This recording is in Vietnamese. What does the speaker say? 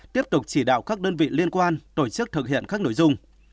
tiếp tục chỉ đạo các đơn vị liên quan tổ chức thực hiện các nội dung